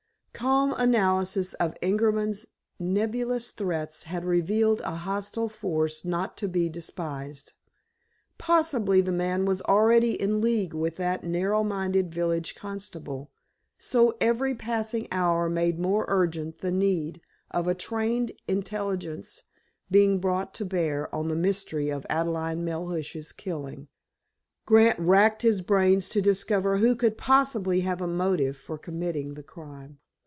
Calm analysis of Ingerman's nebulous threats had revealed a hostile force not to be despised. Possibly, the man was already in league with that narrow minded village constable, so every passing hour made more urgent the need of a trained intelligence being brought to bear on the mystery of Adelaide Melhuish's killing. Grant racked his brains to discover who could possibly have a motive for committing the crime.